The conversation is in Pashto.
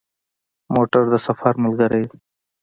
موټر د سفر ملګری دی.